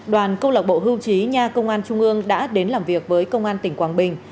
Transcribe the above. đoàn công lạc bộ hưu trí nha công an trung ương đã đến làm việc với công an tỉnh quảng bình